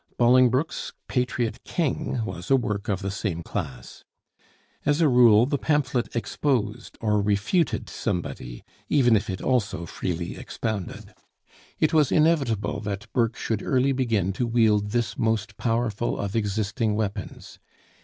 Bolingbroke's 'Patriot King' was a work of the same class. As a rule the pamphlet exposed or refuted somebody, even if it also freely expounded. It was inevitable that Burke should early begin to wield this most powerful of existing weapons.